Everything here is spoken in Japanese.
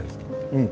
うん。